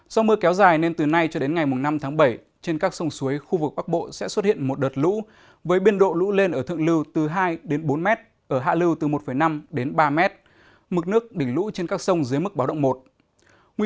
xin chào và hẹn gặp lại